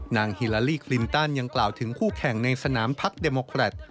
ฮิลาลีคลินตันยังกล่าวถึงคู่แข่งในสนามพักเดโมแครต